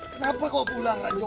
kenapa kau pulang raju